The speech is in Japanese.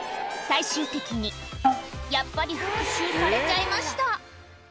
最終的にやっぱり復讐されちゃいました